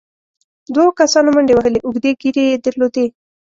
دوو کسانو منډې وهلې، اوږدې ږېرې يې درلودې،